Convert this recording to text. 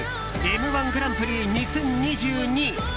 「Ｍ‐１グランプリ２０２２」。